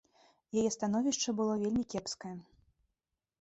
Яе становішча было вельмі кепскае.